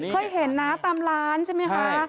เคยเห็นนะตามร้านใช่ไหมคะ